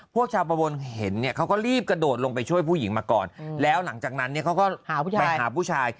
พวกชาวประวนเห็นเนี่ยเขาก็รีบกระโดดลงไปช่วยผู้หญิงมาก่อนแล้วหลังจากนั้นเนี่ยเขาก็ไปหาผู้ชาย